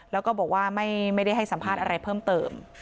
แล้วก็บอกว่าไม่ได้ให้สัมภาษณ์อะไรเพิ่มเติม